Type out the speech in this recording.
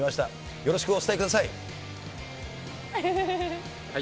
よろしくお伝えください。